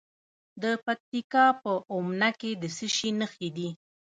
د پکتیکا په اومنه کې د څه شي نښې دي؟